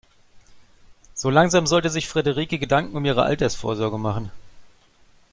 So langsam sollte sich Frederike Gedanken um ihre Altersvorsorge machen.